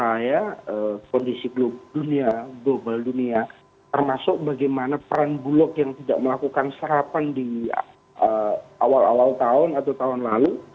saya kondisi global dunia global dunia termasuk bagaimana peran bulog yang tidak melakukan serapan di awal awal tahun atau tahun lalu